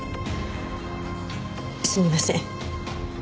すみません。